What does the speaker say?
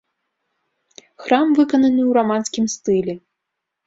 Храм выкананы ў раманскім стылі.